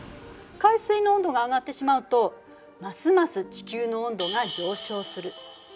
海水の温度が上がってしまうとますます地球の温度が上昇する。